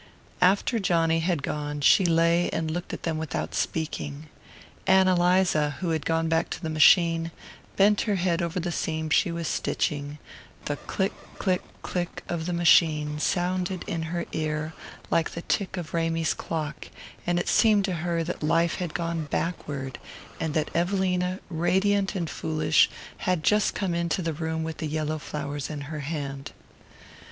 After Johnny had gone she lay and looked at them without speaking. Ann Eliza, who had gone back to the machine, bent her head over the seam she was stitching; the click, click, click of the machine sounded in her ear like the tick of Ramy's clock, and it seemed to her that life had gone backward, and that Evelina, radiant and foolish, had just come into the room with the yellow flowers in her hand.